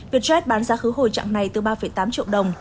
vietjet bán giá khứ hồi trạng này từ ba tám triệu đồng